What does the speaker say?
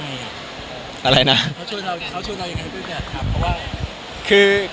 เขาช่วยทำยังไงก็แค่ถาม